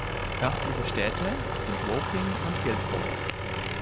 Örtliche Städte sind Woking und Guildford.